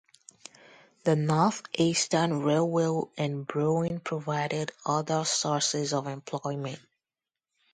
The North Eastern Railway and brewing provided other sources of employment.